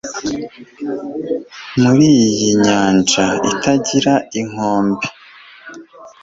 muri iyi nyanja itagira inkombe